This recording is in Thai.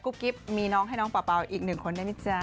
กุ๊บกิ๊บมีน้องให้น้องป่าวอีกหนึ่งคนได้นี่จ้ะ